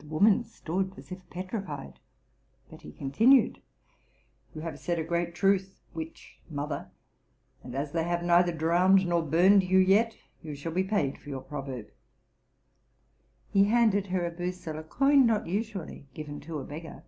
The woman stood as if petrified; but he continued, '* You have said a great truth, witch mother ; and, as they ics neither drowned nor burned you yet, you shall be paid for your proverb.'' He handed her a biisel, a coin not usually given to a beggar.